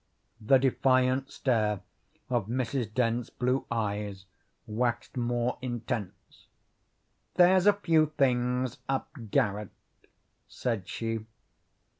The defiant stare of Mrs. Dent's blue eyes waxed more intense. "There's a few things up garret," said she.